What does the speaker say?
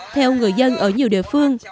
theo người dân ở nhiều địa phương